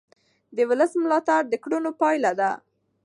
د ولس ملاتړ د کړنو پایله ده